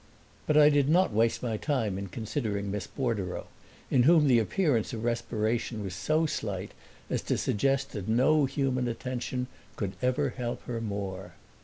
But I did not waste my time in considering Miss Bordereau, in whom the appearance of respiration was so slight as to suggest that no human attention could ever help her more.